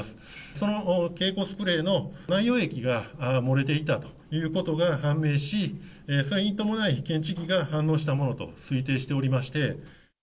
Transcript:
その携行スプレーの内容液が漏れていたということが判明し、それに伴い検知器が反応したものと推定しておりまして。